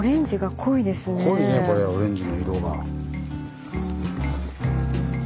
濃いねこれオレンジの色が。